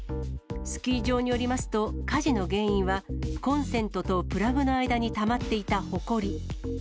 スキー場によりますと、火事の原因は、コンセントとプラグの間にたまっていたほこり。